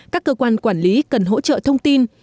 các cơ quan quản lý cần hỗ trợ thông tin